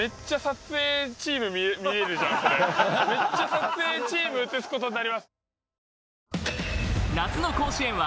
めっちゃ撮影チーム映す事になります。